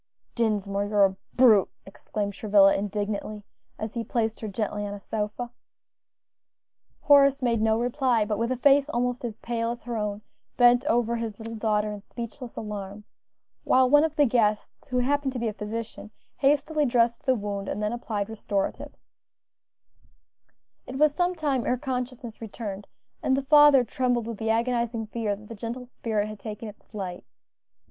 "Dinsmore, you're a brute!" exclaimed Travilla indignantly, as he placed her gently on a sofa. Horace made no reply, but, with a face almost as pale as her own, bent over his little daughter in speechless alarm, while one of the guests, who happened to be a physician, hastily dressed the wound, and then applied restoratives. It was some time ere consciousness returned, and the father trembled with the agonizing fear that the gentle spirit had taken its flight.